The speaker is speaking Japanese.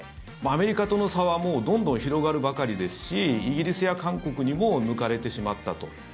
アメリカとの差はどんどん広がるばかりですしイギリスや韓国にも抜かれてしまったと。